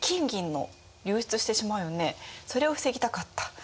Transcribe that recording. それを防ぎたかった。